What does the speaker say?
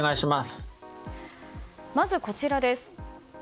まずこちらです。